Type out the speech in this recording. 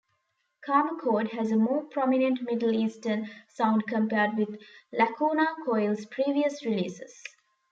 "Karmacode" has a more prominent Middle-Eastern sound compared with Lacuna Coil's previous releases.